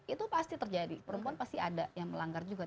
itu pasti terjadi perempuan pasti ada yang melanggar juga